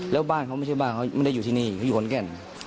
แล้วบ้านเขาไม่ใช่บ้านเขาไม่ได้อยู่ที่นี่เขาอยู่คนแก่น